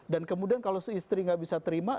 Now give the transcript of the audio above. dan kemudian kalau seistri gak bisa terima